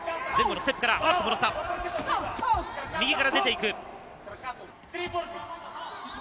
右から出ていく。